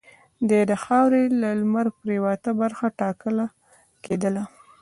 د دې خاورې لمرپرېواته برخه ټاکله کېدله.